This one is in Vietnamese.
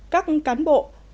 các cán bộ